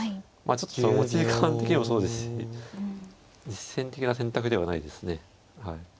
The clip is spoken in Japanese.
あちょっと持ち時間的にもそうですし実戦的な選択ではないですね。